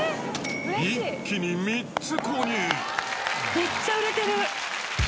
めっちゃ売れてる。